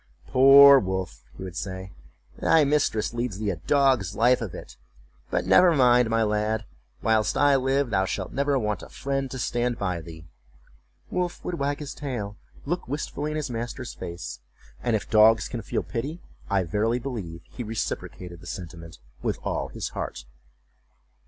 "Poor Wolf," he would say, "thy mistress leads thee a dog's life of it; but never mind, my lad, whilst I live thou shalt never want a friend to stand by thee!" Wolf would wag his tail, look wistfuly in his master's face, and if dogs can feel pity I verily believe he reciprocated the sentiment with all his heart.